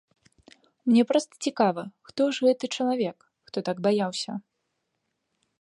Мне проста цікава, хто ж гэты чалавек, хто так баяўся.